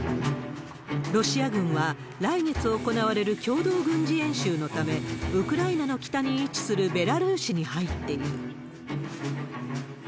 ロシア軍は来月行われる共同軍事演習のため、ウクライナの北に位置するベラルーシに入っている。